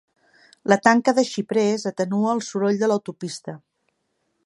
La tanca de xiprers atenua el soroll de l'autopista.